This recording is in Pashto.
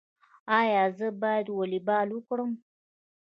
ایا زه باید والیبال وکړم؟